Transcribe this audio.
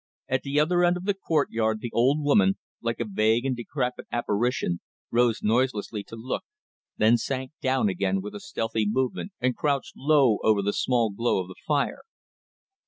At the other end of the courtyard the old woman, like a vague and decrepit apparition, rose noiselessly to look, then sank down again with a stealthy movement and crouched low over the small glow of the fire.